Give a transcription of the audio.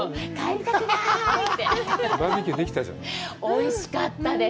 おいしかったです！